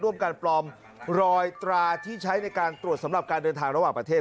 การปลอมรอยตราที่ใช้ในการตรวจสำหรับการเดินทางระหว่างประเทศ